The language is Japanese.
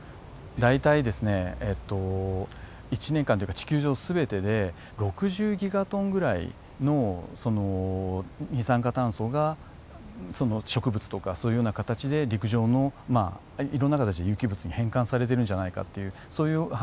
大体ですね一年間というか地球上全てで６０ギガトンぐらいの二酸化炭素が植物とかそういうような形で陸上のまあいろんな形で有機物に変換されているんじゃないかっていうそういう話がございます。